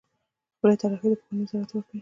خپلې طرحې د پوهنې وزارت ته ورکوي.